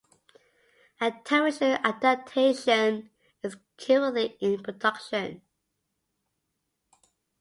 A television adaptation is currently in production.